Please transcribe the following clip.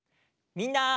みんな！